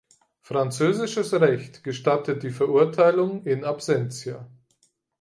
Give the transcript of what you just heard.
Französisches Recht gestattet die Verurteilung "in absentia.